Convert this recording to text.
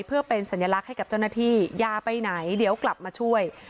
เพื่อเป็นสัญลักษณ์ให้กับเจ้าหน้าที่อย่าไปไหนเดี๋ยวกลับมาช่วย